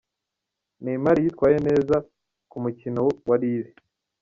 Neymar yitwaye neza ku mukino wa Lille.